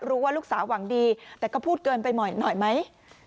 รู้ว่าลูกสาวหวังดีแต่ก็พูดเกินไปหน่อยไหม